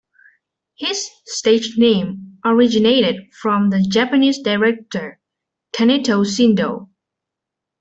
His stage name originated from the Japanese director Kaneto Shindō.